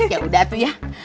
ya udah atuh yah